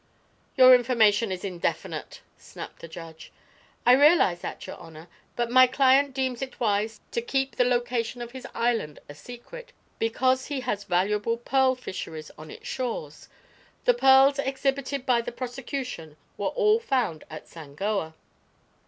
"Your information is indefinite," snapped the judge. "I realize that, your honor; but my client deems it wise to keep the location of his island a secret, because he has valuable pearl fisheries on its shores. The pearls exhibited by the prosecution were all found at Sangoa."